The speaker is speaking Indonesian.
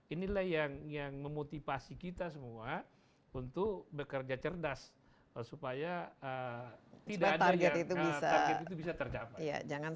inilah yang memotivasi kita semua untuk bekerja cerdas supaya target itu bisa tercapai